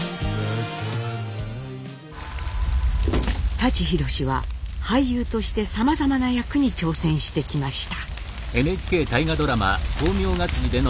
舘ひろしは俳優としてさまざまな役に挑戦してきました。